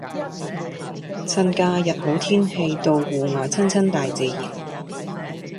趁假日好天氣到戶外親親大自然